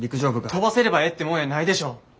飛ばせればええってもんやないでしょ。